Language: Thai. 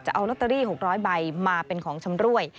เอาลอตเตอรี่๖๐๐ใบมาเป็นของชำรวย